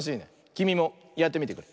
きみもやってみてくれ。